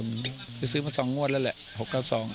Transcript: แล้วจะซื้อมา๒มวดแล้วแหละ๖๙๒ครับ